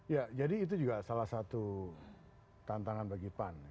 ya jadi itu juga salah satu tantangan bagi pan